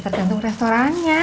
ya tergantung restorannya